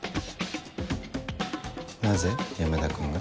なぜ山田君が？